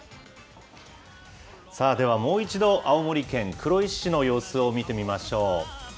さあ、ではもう一度青森県黒石市の様子を見てみましょう。